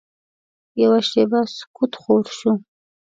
یوه شېبه سکوت خور شو.